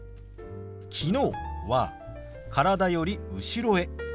「きのう」は体より後ろへ。